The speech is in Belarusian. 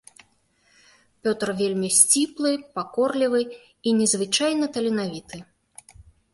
Пётр вельмі сціплы, пакорлівы і незвычайна таленавіты.